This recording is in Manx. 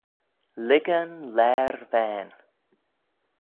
Lhigey'n laair vane